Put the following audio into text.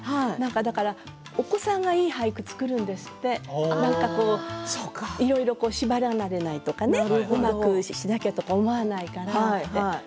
だから、お子さんがいい俳句を作るんですっていろいろ縛られないとかねうまくしなきゃとか思わないから。